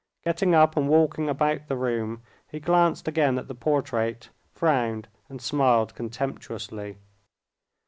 Getting up and walking about the room, he glanced again at the portrait, frowned, and smiled contemptuously.